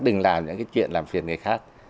đừng làm những cái chuyện làm phiền người khác